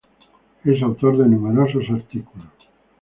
Es autor de numerosos artículos.